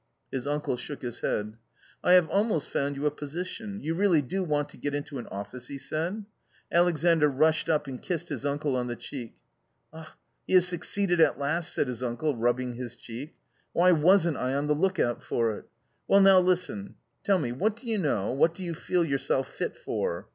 His uncle shook his head. " I have almost found you a position ; you really do want to get into an office ?" he said. Alexandr rushed up and kissed his uncle on the cheek. " He has succeeded at last !" said his uncle, rubbing his cheek. " Why wasn't I on the look out for it? Well, now listen. Tell me, what do you know, what do you feel yourself fit for